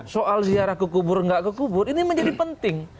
soal ziarah kekubur nggak kekubur ini menjadi penting